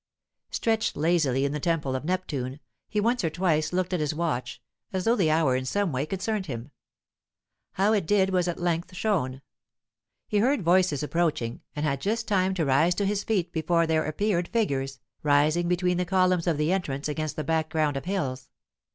Stretched lazily in the Temple of Neptune, he once or twice looked at his watch, as though the hour in some way concerned him. How it did was at length shown. He heard voices approaching, and had just time to rise to his feet before there appeared figures, rising between the columns of the entrance against the background of hills.